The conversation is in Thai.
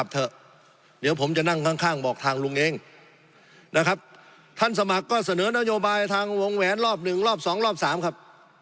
แต่ครับท่านสมัครก็เสนอนโยบายทางวงแหวนรอบหนึ่งรอบสองรอบสามครับ